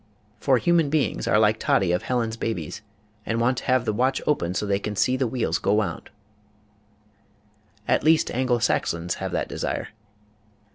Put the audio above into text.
For human beings are like Toddie of " Helen's Babies " and want to have the watch opened so they can " see the wheels go wound." At least Anglo Saxons have that desire.